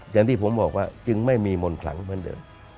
อย่างที่ผมบอกว่าจึงไม่มีมนต์ขลังเหมือนเดิม